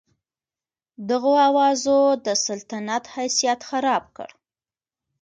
دغو اوازو د سلطنت حیثیت خراب کړ.